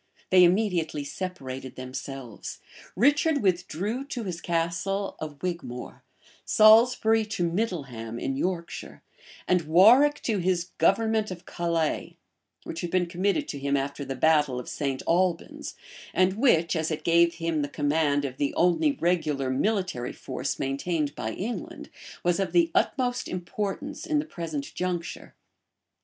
They immediately separated themselves; Richard withdrew to his castle of Wigmore; Salisbury to Middleham, in Yorkshire, and Warwick to his government of Calais, which had been committed to him after the battle of St. Albans, and which, as it gave him the command of the only regular military force maintained by England, was of the utmost importance in the present juncture.